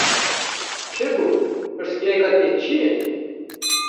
Çi bû, pirsgirêka te çi ye?